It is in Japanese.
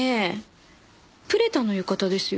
プレタの浴衣ですよ。